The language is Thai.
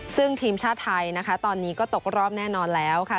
ซึ่งทีมชาติไทยนะคะตอนนี้ก็ตกรอบแน่นอนแล้วค่ะ